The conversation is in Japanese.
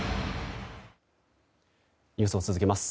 ニュースを続けます。